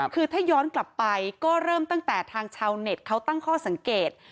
คือถ้าย้อนกลับไปก็เริ่มตั้งแต่ทางชาวเน็ตเขาตั้งข้อสังเกต